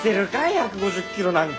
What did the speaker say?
１５０キロなんか！